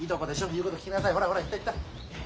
ほらほら行った行った。